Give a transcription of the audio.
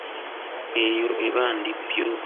Eyo eba ndippyo.